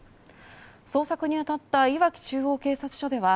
捜索に当たったいわき中央警察署では